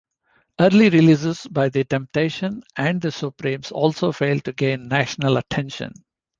Early releases by The Temptations and The Supremes also failed to gain national attention.